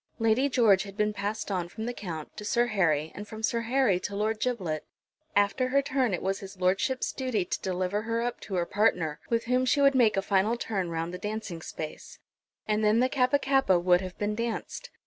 Lady George had been passed on from the Count to Sir Harry, and from Sir Harry to Lord Giblet. After her turn it was his lordship's duty to deliver her up to her partner, with whom she would make a final turn round the dancing space; and then the Kappa kappa would have been danced.